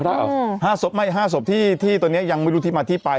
มีฮ่าศพฮ่าศพไม่ฮ่าศพที่ตัวเนี่ยยังไม่รู้ที่มาที่ไป